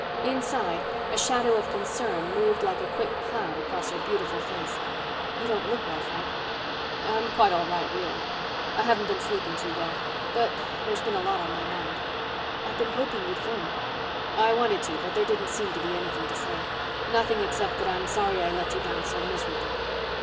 Inside, a shadow of concern moved like a quick cloud across her beautiful face. "You don't look well, Frank." "I'm quite all right, really. Haven't been sleeping too well, but there's been a lot on my mind." "I've been hoping you'd phone." "I wanted to but there didn't seem to be anything to say. Nothing except that I'm sorry I let you down so miserably."